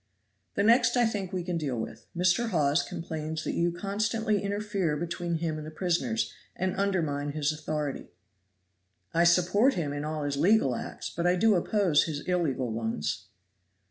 "The next I think we can deal with. Mr. Hawes complains that you constantly interfere between him and the prisoners, and undermine his authority." "I support him in all his legal acts, but I do oppose his illegal ones."